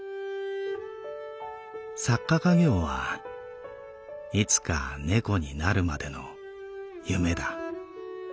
作家稼業はいつか猫になるまでの夢だ。